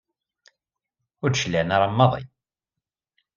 Ur d-cliɛen ara maḍi.